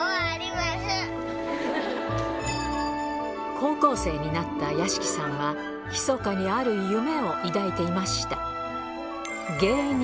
高校生になった屋敷さんはひそかにある夢を抱いていました